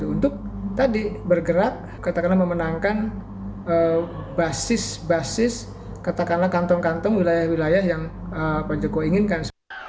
untuk tadi bergerak katakanlah memenangkan basis basis katakanlah kantong kantong wilayah wilayah yang pak jokowi inginkan